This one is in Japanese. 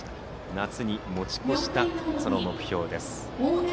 夏に持ち越したその目標です。